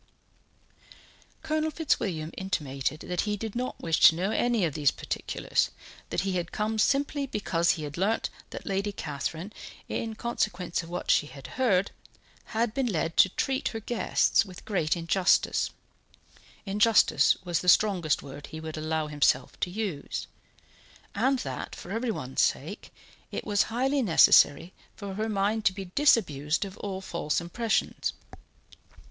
Colonel Fitzwilliam intimated that he did not wish to know any of these particulars; that he was come simply because he had learnt that Lady Catherine, in consequence of what she had heard, had been led to treat her guests with great injustice injustice was the strongest word he would allow himself to use and that, for everyone's sake, it was highly necessary for her mind to be disabused of all false impressions.